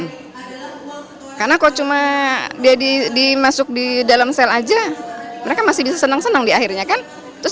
hai karena kau cuma jadi dimasuk di dalam sel aja mereka masih bisa senang senang di akhirnya kan terus